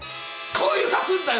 こういうかくんだよ